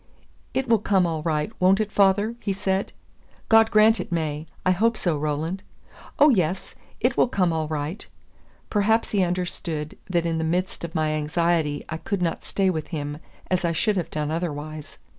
"It will come all right, won't it, father?" he said. "God grant it may! I hope so, Roland." "Oh, yes, it will come all right." Perhaps he understood that in the midst of my anxiety I could not stay with him as I should have done otherwise.